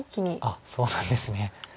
あっそうなんですね。